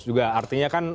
juga artinya kan